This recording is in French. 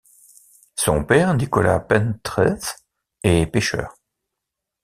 Son père, Nicholas Pentreath, est pêcheur.